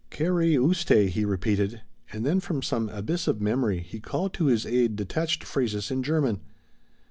"Kayry Oostay," he repeated, and then from some abyss of memory he called to his aid detached phrases in German.